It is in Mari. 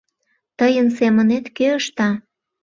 Тыйын семынет кӧ ышта?